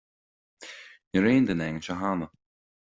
Ní raibh aon duine againn anseo cheana.